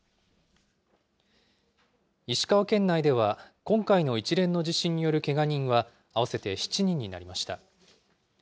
石川県内では今回の一連の地震によるけが人は合わせて７人になりました。